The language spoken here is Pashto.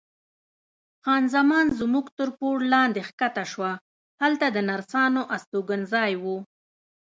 خان زمان زموږ تر پوړ لاندې کښته شوه، هلته د نرسانو استوګنځای و.